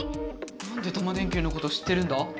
なんでタマ電Ｑのこと知ってるんだ